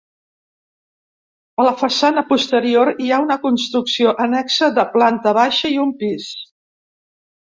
A la façana posterior hi ha una construcció annexa de planta baixa i un pis.